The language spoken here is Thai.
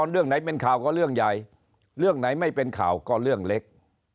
เรื่องไหนเป็นข่าวก็เรื่องใหญ่เรื่องไหนไม่เป็นข่าวก็เรื่องเล็ก